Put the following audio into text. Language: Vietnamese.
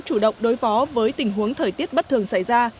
chủ động đối phó với tình huống thời tiết bất thường xảy ra